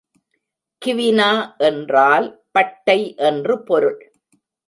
க்வினா என்றால் பட்டை என்று பொருள்.